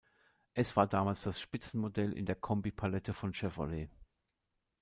Es war damals das Spitzenmodell in der Kombi-Palette von Chevrolet.